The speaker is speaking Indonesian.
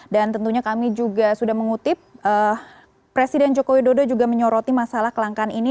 dan tentunya kami juga sudah mengutip presiden jokowi dodo juga menyoroti masalah kelangkaan ini